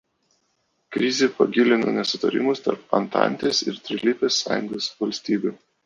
Krizė pagilino nesutarimus tarp Antantės ir Trilypės sąjungos valstybių.